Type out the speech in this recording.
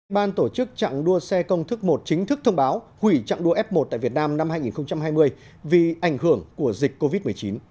ban tổ chức chặng đua xe công thức một chính thức thông báo hủy chặng đua f một tại việt nam năm hai nghìn hai mươi vì ảnh hưởng của dịch covid một mươi chín